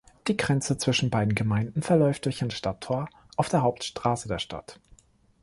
Die Grenze zwischen beiden Gemeinden verläuft durch ein Stadttor auf der Hauptstraße der Stadt.